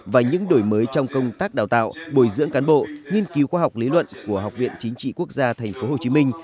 và những đổi mới trong công tác đào tạo bồi dưỡng cán bộ nghiên cứu khoa học lý luận của học viện chính trị quốc gia tp hcm